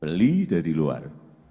beli dari luar